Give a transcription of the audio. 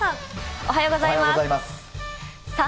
おはようございます。